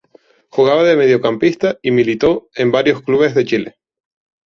Jugaba de mediocampista y militó en varios clubes de Chile.